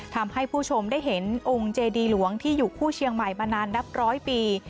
ทำให้ผู้ชมได้เห็นองค์เจดีหลวงที่อยู่คู่เชียงใหม่มานานนับร้อยปี